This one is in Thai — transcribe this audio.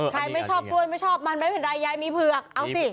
ไม่ชอบกล้วยไม่ชอบมันไม่เป็นไรยายมีเผือกเอาสิ